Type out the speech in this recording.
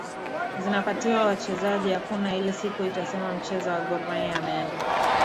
zinapatiwa wachezaji hakuna ile siku itasema mchezaji wa gormahia ameenda